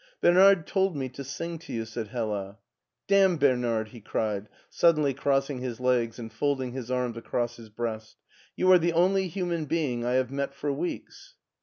Bernard told me to sing to you," said Hella. Damn Bernard !" he cried, suddenly crossing his legs and folding his arms across his breast. "You are the only human being I have met for weeks."